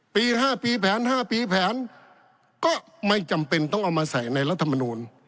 ปี๕ปีแผน๕ปีแผนก็ไม่จำเป็นต้องเอามาใส่ในรัฐมนูล